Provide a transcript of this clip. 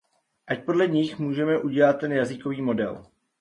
Ať podle nich můžme udělat ten jazykový model.